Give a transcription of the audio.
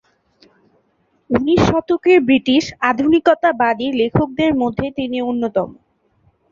উনিশ শতকের ব্রিটিশ আধুনিকতাবাদী লেখকদের মধ্যে তিনি অন্যতম।